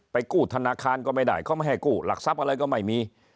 กู้ธนาคารก็ไม่ได้เขาไม่ให้กู้หลักทรัพย์อะไรก็ไม่มี